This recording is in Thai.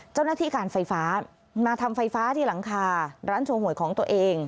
เจ้าหน้าที่การไฟฟ้ามาทำไฟฟ้าที่หลังคาร้านโชว์หวยของตัวเอง